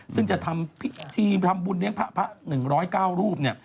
ซึ่งจะทำบุญเลี้ยงพระพระ๑๐๙รูป